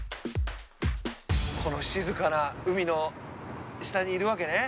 この静かな海の下にいるわけね。